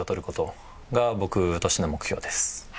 僕としての目標です。